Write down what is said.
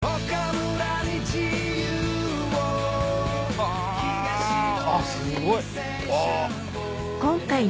はぁあっすごい。